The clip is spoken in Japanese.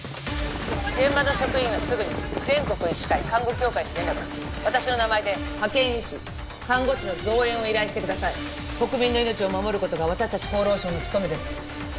現場の職員はすぐに全国医師会看護協会に連絡私の名前で派遣医師看護師の増援を依頼してください国民の命を守ることが私達厚労省の務めです